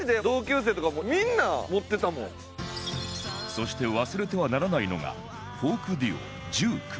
そして忘れてはならないのがフォークデュオ１９